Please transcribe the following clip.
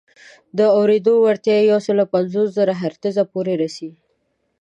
د اورېدو وړتیا یې یو سل پنځوس زره هرتز پورې رسي.